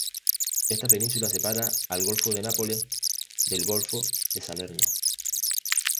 Esta península separa al golfo de Nápoles del golfo de Salerno.